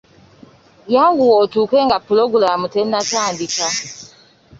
Yanguwa otuuke nga pulogulaamu nga tennatandika.